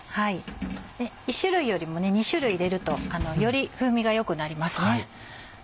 １種類よりも２種類入れるとより風味が良くなりますね。